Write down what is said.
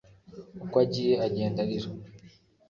Uko agiye agenda arira